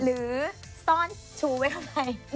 หรือซ่อนฉูไว้ทรงใน